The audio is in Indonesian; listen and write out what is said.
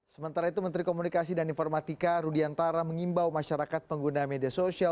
sementara itu menteri komunikasi dan informatika rudiantara mengimbau masyarakat pengguna media sosial